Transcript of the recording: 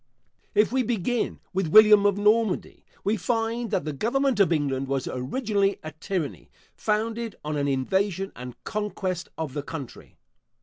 If we begin with William of Normandy, we find that the government of England was originally a tyranny, founded on an invasion and conquest of the country.